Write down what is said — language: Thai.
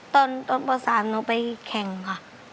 ตอนต้นประสานหนูไปแข่งค่ะ